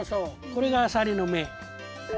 これがあさりの目。